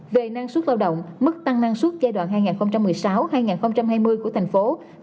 về năng suất lao động mức tăng năng suất giai đoạn hai nghìn một mươi sáu hai nghìn hai mươi của thành phố nguyễn thành phong